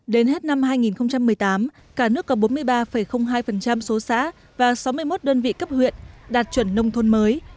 đến hết năm hai nghìn một mươi tám cả nước có bốn mươi ba hai số xã và sáu mươi một đơn vị cấp huyện đạt chuẩn nông thôn mới